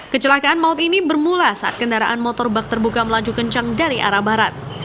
kecelakaan maut ini bermula saat kendaraan motor bak terbuka melaju kencang dari arah barat